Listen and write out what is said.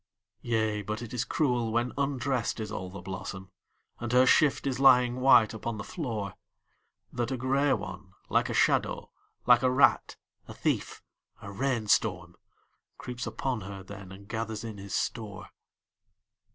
Yea, but it is cruel when undressed is all the blossom, And her shift is lying white upon the floor, That a grey one, like a shadow, like a rat, a thief, a rain storm Creeps upon her then and gathers in his store.